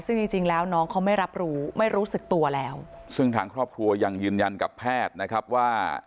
ซึ่งจริงจริงแล้วน้องเขาไม่รับรู้ไม่รู้สึกตัวแล้วซึ่งทางครอบครัวยังยืนยันกับแพทย์นะครับว่า